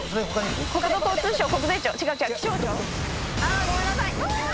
あごめんなさい！